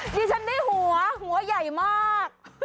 ดิฉันได้หัวหัวใหญ่มาก